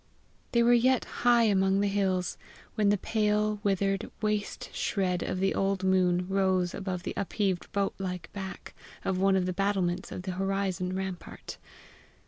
They were yet high among the hills, when the pale, withered, waste shred of the old moon rose above the upheaved boat like back of one of the battlements of the horizon rampart.